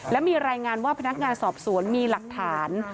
และมีรายงานว่าพนักงานสอบสวนมีหลักฐาน